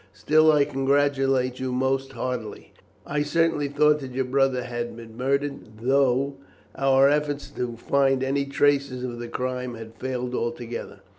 Still I congratulate you most heartily. I certainly thought that your brother had been murdered, though our efforts to find any traces of the crime have failed altogether.